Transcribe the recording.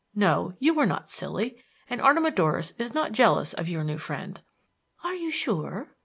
No, you were not silly, and Artemidorus is not jealous of your new friend." "Are you sure?"